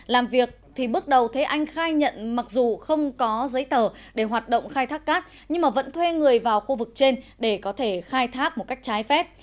làm việc thì bước đầu thế anh khai nhận mặc dù không có giấy tờ để hoạt động khai thác cát nhưng vẫn thuê người vào khu vực trên để có thể khai thác một cách trái phép